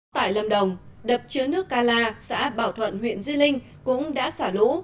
tại lâm đồng đập chứa nước ca la xã bảo thuận huyện di linh cũng đã xả lũ